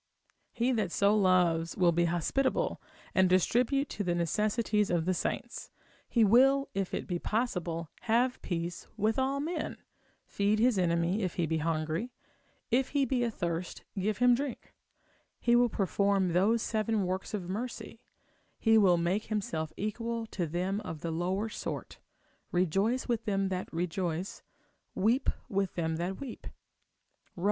He that so loves will be hospitable, and distribute to the necessities of the saints; he will, if it be possible, have peace with all men, feed his enemy if he be hungry, if he be athirst give him drink; he will perform those seven works of mercy, he will make himself equal to them of the lower sort, rejoice with them that rejoice, weep with them that weep, Rom.